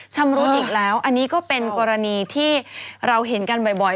ชำรุดอีกแล้วอันนี้ก็เป็นกรณีที่เราเห็นกันบ่อย